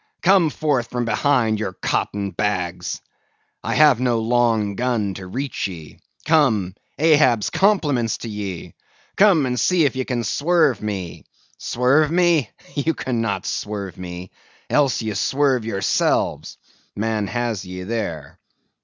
Come forth from behind your cotton bags! I have no long gun to reach ye. Come, Ahab's compliments to ye; come and see if ye can swerve me. Swerve me? ye cannot swerve me, else ye swerve yourselves! man has ye there.